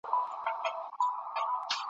رسوي مو زیار او صبر تر هدف تر منزلونو ,